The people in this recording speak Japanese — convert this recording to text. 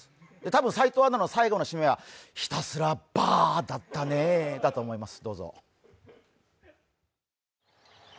たぶん齋藤アナの最後の締めは「ひたすらバーだったね」だと思います。